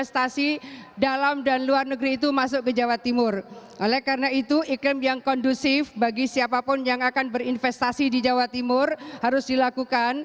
tetapi banyak yang tidak